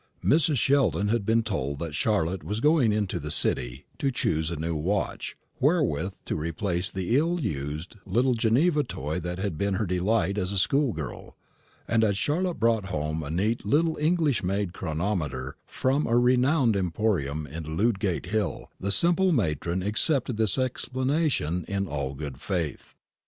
Mrs. Sheldon had been told that Charlotte was going into the City to choose a new watch, wherewith to replace the ill used little Geneva toy that had been her delight as a schoolgirl; and as Charlotte brought home a neat little English made chronometer from a renowned emporium on Ludgate hill, the simple matron accepted this explanation in all good faith.